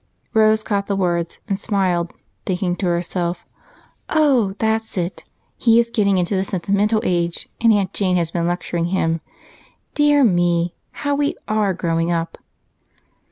Rose caught the words and smiled, thinking to herself, "Oh, that's it he is getting into the sentimental age and Aunt Jane has been lecturing him. Dear me, how we are growing up!"